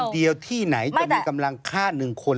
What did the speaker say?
เดียวที่ไหนจะมีกำลังฆ่า๑คน